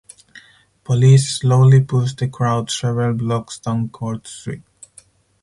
Police slowly pushed the crowd several blocks down Court Street.